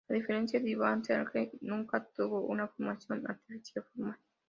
A diferencia de Iván, Sergey nunca tuvo una formación artística formal.